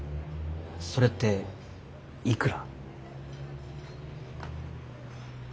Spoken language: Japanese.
それっていくら？